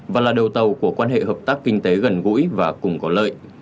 và là đầu tàu của quan hệ hợp tác kinh tế gần gũi và cùng có lợi